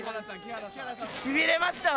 しびれました！